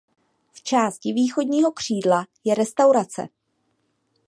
V části východního křídla je restaurace.